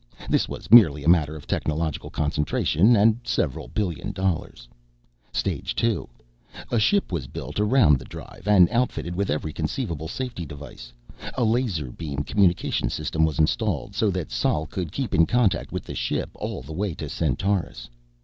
This was merely a matter of technological concentration, and several billion dollars. Stage Two: A ship was built around the drive, and outfitted with every conceivable safety device. A laser beam communication system was installed, so that Sol could keep in contact with the ship all the way to Centaurus.